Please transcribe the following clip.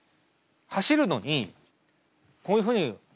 走るのにこういうふうに走ったら。